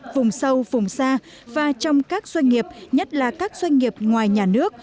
vùng sâu vùng xa và trong các doanh nghiệp nhất là các doanh nghiệp ngoài nhà nước